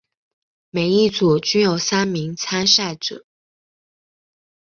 每一组均有三名参赛者。